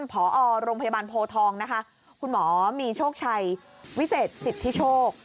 พอโรงพยาบาลโพทองนะคะคุณหมอมีโชคชัยวิเศษสิทธิโชค